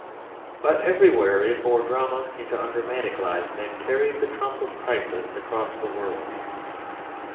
But everywhere it bore drama into undramatic lives, and carried the trump of crisis across the world.